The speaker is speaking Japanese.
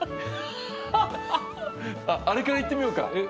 あっあれからいってみようか。